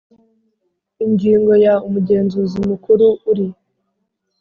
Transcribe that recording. Ingingo ya Umugenzuzi Mukuru uri